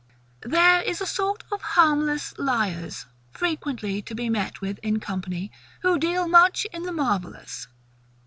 There is a sort of harmless LIARS, frequently to be met with in company, who deal much in the marvellous.